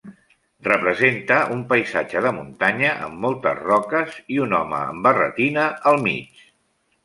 Representa un paisatge de muntanya amb moltes roques i un home amb barretina al mig.